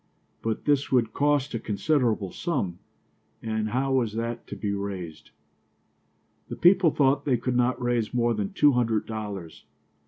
But this would cost a considerable sum, and how was that to be raised? The people thought they could not raise more than two hundred dollars.